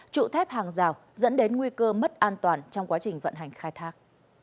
trụ thép hàng rào dẫn đến nguy cơ mất an toàn trong quá trình vận hành khai thác